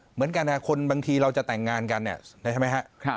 เหมือนกันคนบางทีเราจะแต่งงานกันเนี่ยใช่ไหมฮะ